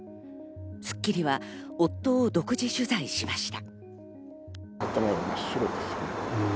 『スッキリ』は夫を独自取材しました。